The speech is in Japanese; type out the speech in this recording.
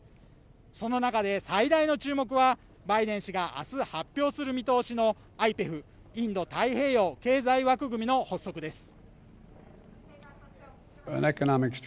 その中で最大の注目はバイデン氏が明日発表する見通しのＩＰＥＦ＝インド太平洋経済枠組みの発足です。